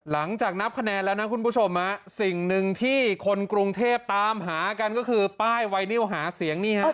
นับคะแนนแล้วนะคุณผู้ชมสิ่งหนึ่งที่คนกรุงเทพตามหากันก็คือป้ายไวนิวหาเสียงนี่ฮะ